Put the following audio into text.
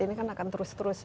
ini kan akan terus terus